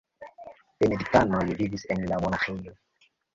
Benediktanoj vivis en la monaĥejo.